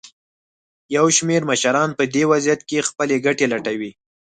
یو شمېر مشران په دې وضعیت کې خپلې ګټې لټوي.